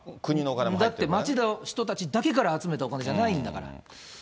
だって町の人たちだけから集めたお金じゃないんだから。